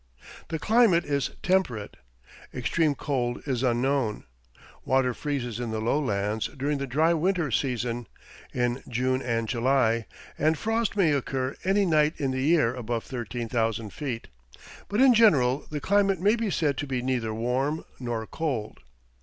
The climate is temperate. Extreme cold is unknown. Water freezes in the lowlands during the dry winter season, in June and July, and frost may occur any night in the year above 13,000 feet, but in general the climate may be said to be neither warm nor cold.